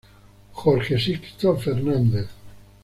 Jorge Sixto Fernández